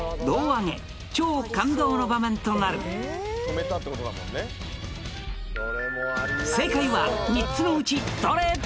胴上げ超感動の場面となる正解は３つのうちどれ？